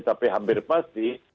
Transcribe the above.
tapi hampir pasti